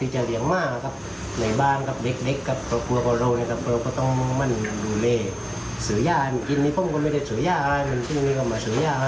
ช่วยกับเห็บเขลียดไว้นะ